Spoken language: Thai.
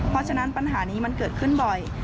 เพราะฉะนั้นปัญหานี้มันเกิดขึ้นบ่อย